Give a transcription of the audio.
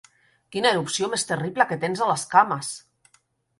Quina erupció més terrible que tens a les cames!